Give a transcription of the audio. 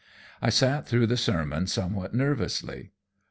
I sat through the sermon somewhat nervously.